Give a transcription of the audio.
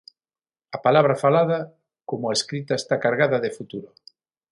A palabra falada, como a escrita, está cargada de futuro.